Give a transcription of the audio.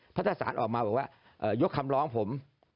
เพราะถ้าสารออกมาบอกว่ายกคำร้องผม